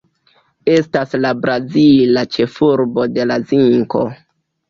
Estas la brazila ĉefurbo de la zinko.